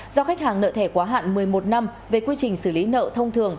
do khách hàng nợ thẻ quá hạn một mươi một năm về quy trình xử lý nợ thông thường